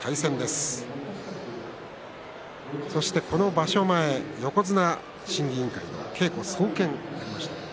そして、この場所前横綱審議委員会の稽古総見がありました。